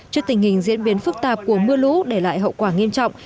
trước tình hình diễn biến phức tạp của mưa lũ để lại hậu quả nghiêm trọng